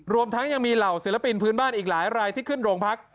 รวมทั้งยังมีเหล่าศิลปินพื้นบ้านอีกหลายรายที่ขึ้นโรงพัก